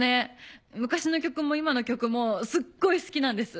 昔の曲も今の曲もすっごい好きなんです。